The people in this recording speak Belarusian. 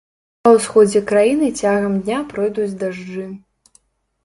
Па ўсходзе краіны цягам дня пройдуць дажджы.